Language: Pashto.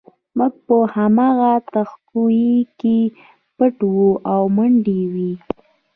موږ په هماغه تهکوي کې پټ وو او منډې وې